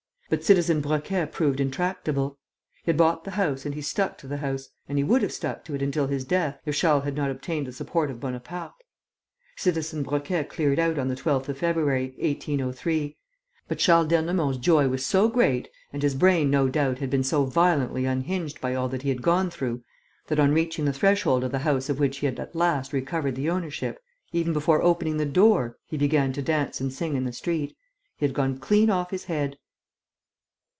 But Citizen Broquet proved intractable. He had bought the house and he stuck to the house; and he would have stuck to it until his death, if Charles had not obtained the support of Bonaparte. Citizen Broquet cleared out on the 12th of February, 1803; but Charles d'Ernemont's joy was so great and his brain, no doubt, had been so violently unhinged by all that he had gone through, that, on reaching the threshold of the house of which he had at last recovered the ownership, even before opening the door he began to dance and sing in the street. He had gone clean off his head."